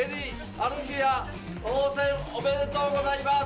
アルフィヤ当選おめでとうございます！